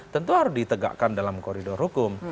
tentu harus ditegakkan dalam koridor hukum